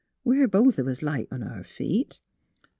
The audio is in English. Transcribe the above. We're both of us light on our feet.